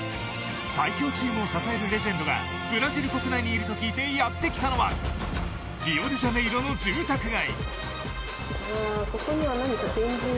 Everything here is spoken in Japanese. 最強チームを支えるレジェンドがブラジル国内にいると聞いてやってきたのはリオデジャネイロの住宅街。